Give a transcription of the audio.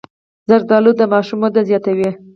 زردالو د ماشوم وده زیاتوي.